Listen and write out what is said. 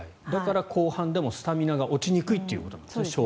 だから、後半でもスタミナが落ちにくいということですね。